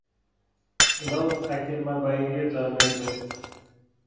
लौ अखिरमा बाहिरियो जर्मनी पनि ।